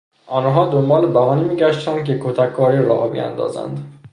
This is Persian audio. آنها دنبال بهانه میگشتند که کتککاری راه بیاندازند.